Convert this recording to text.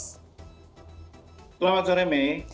selamat sore mei